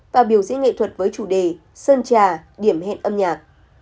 và biểu diễn nghệ thuật với chủ đề sơn trà điểm hẹn âm nhạc